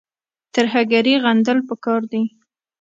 ترهګري غندل پکار دي